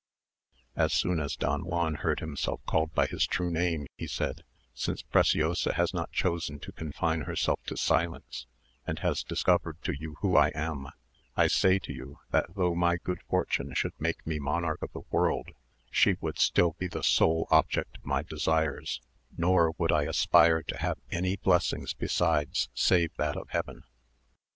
As soon as Don Juan heard himself called by his true name, he said, "Since Preciosa has not chosen to confine herself to silence, and has discovered to you who I am, I say to you, that though my good fortune should make me monarch of the world, she would still be the sole object of my desires; nor would I aspire to have any blessing besides, save that of heaven."